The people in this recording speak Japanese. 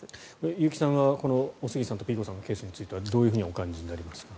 結城さんはおすぎさんとピーコさんのケースについてはどうお感じになりますか。